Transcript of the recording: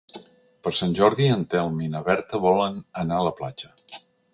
Per Sant Jordi en Telm i na Berta volen anar a la platja.